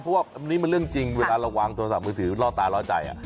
เพราะว่าอันนี้มันเรื่องจริงเวลาเราวางโทรศัพท์มือถือล่อตาล่อใจ